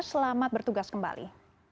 selamat bertugas kembali